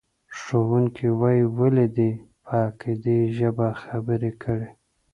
ښوونکی وایي، ولې دې په اکدي ژبه خبرې کړې؟